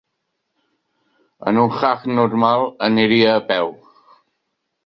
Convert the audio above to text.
En un Hajj normal, aniria a peu.